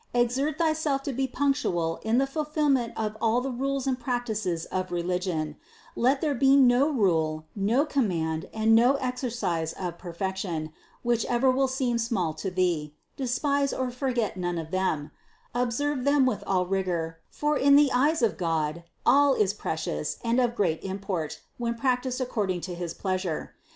Exert thyself to be punctual in the fulfillment of all the rules and practices of religion ; let there be no rule, no command, and no exer cise of perfection, which ever will seem small to thee; despise or forget none of them ; observe them all with rig or, for in the eyes of God all is precious and of great im port when practiced according to his pleasure.